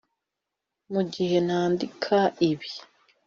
Mu gihe nandika ibi